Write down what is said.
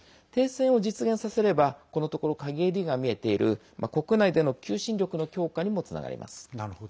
停戦を実現させればこのところかげりが見えている国内での求心力の強化にもつながります。